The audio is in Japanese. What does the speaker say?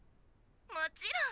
もちろん！